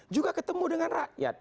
juga ketemu dengan rakyat